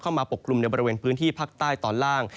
ปกกลุ่มในบริเวณพื้นที่ภาคใต้ตอนล่าง